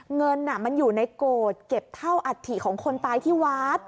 เงินมันอยู่ในโกรธเก็บเท่าอัฐิของคนตายที่วัด